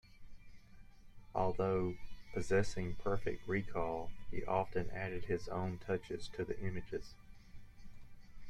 Although possessing perfect recall, he often added his own touches to the images.